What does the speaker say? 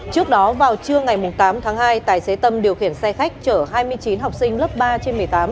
trước đó vào trưa ngày tám tháng hai tài xế tâm điều khiển xe khách chở hai mươi chín học sinh lớp ba trên một mươi tám